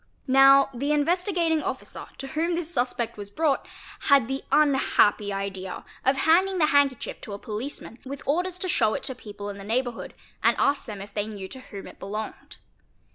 Now the Investigating Officer to whom this suspect was brought had the unhappy idea of handing the handkerchief to a policeman with orders to show it to people in the neighbourhood and ask them if they knew to whom it belonged.